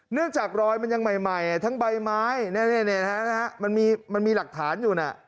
จากรอยมันยังใหม่ทั้งใบไม้มันมีหลักฐานอยู่นะ